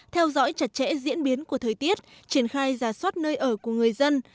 theo dõi chặt chẽ diễn biến của thời tiết triển khai giả soát nơi ở của người dân